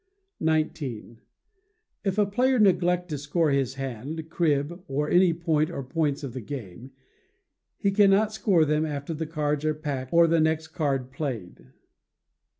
xix. If a player neglect to score his hand, crib, or any point or points of the game, he cannot score them after the cards are packed or the next card played.